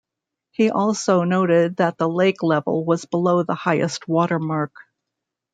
He also noted that the lake level was below the highest watermark.